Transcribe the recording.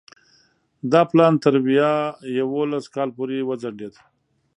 دا پلان تر ویا یوولس کال پورې وځنډېد.